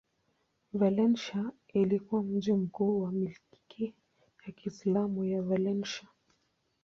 Valencia ilikuwa mji mkuu wa milki ya Kiislamu ya Valencia.